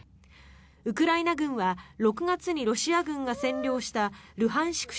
ウクライナ軍は６月にロシア軍が占領したルハンシク